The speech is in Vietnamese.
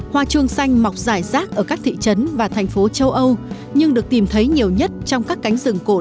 hoa chuông xanh mọc giải rác ở các thị trấn và thành phố châu âu nhưng được tìm thấy nhiều nhất trong các cánh rừng cổ truyền